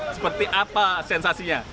seperti apa sensasinya